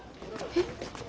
えっ？